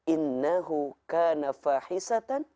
innahu kana fahisatan